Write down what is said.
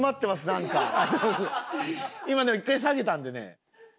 今でも１回下げたんでね。